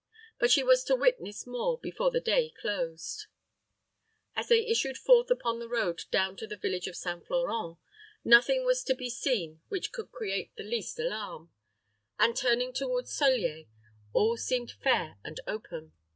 But she was to witness more before the day closed. As they issued forth upon the road down to the village of St. Florent, nothing was to be seen which could create the least alarm; and, turning toward Solier, all seemed fair and open.